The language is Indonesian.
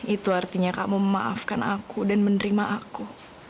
itu artinya kamu memaafkan aku dan menerima aku